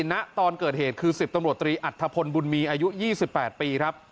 นะตอนเกิดเหตุคือสิบตำรวจตรีอัตภพลบุญมีอายุยี่สิบแปดปีครับ